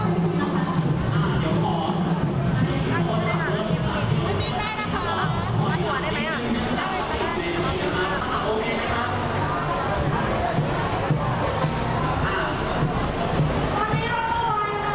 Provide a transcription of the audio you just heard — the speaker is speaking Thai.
สำรวจการท่านทำร่างเจ็บของที่ได้เลยจ้า